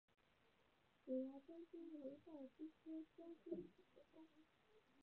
水涯狡蛛为盗蛛科狡蛛属的动物。